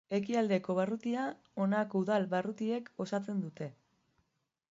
Ekialdeko barrutia honako udal barrutiek osatzen dute.